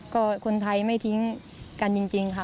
ก็คนไทยไม่ทิ้งกันจริงค่ะ